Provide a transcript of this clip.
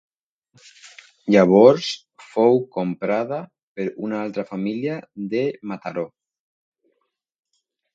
Llavors fou comprada per una altra família de Mataró.